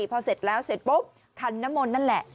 พอเสร็จแล้วเสร็จปุ๊บคันนมลนั่นแหละ